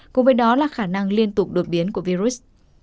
cùng với đó là khả năng liên tục đột biến của virus